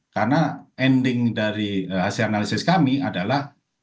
karena ending dari hasil analisis kami adalah